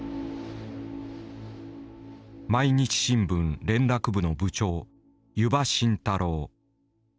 毎日新聞連絡部の部長弓場晋太郎。